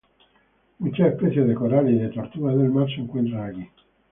Muchas especies de corales y de tortuga del mar se encuentran aquí.